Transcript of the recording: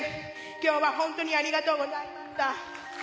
きょうは本当にありがとうございました。